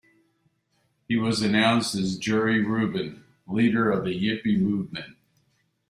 He was announced as Jerry Rubin, Leader of the Yippie Movement.